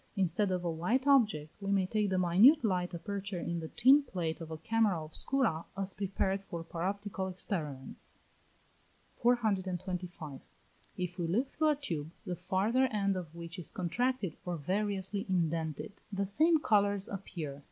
Instead of a white object we may take the minute light aperture in the tin plate of a camera obscura, as prepared for paroptical experiments. 425. If we look through a tube, the farther end of which is contracted or variously indented, the same colours appear. 426.